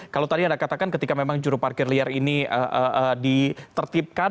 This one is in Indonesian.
kalau tadi anda katakan ketika memang juru parkir liar ini ditertibkan